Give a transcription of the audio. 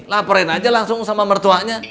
laporin aja langsung sama mertuanya